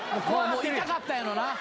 痛かったんやろな。